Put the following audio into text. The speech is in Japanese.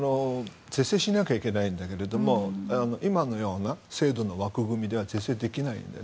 是正しなきゃいけないんだけども今のような制度の枠組みでは是正できないので。